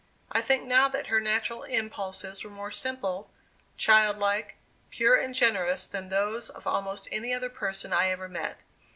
I think now that her natural impulses were more simple, childlike, pure and generous than those of almost any other person I ever met.